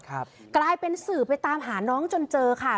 กลายเป็นสื่อไปตามหาน้องจนเจอค่ะ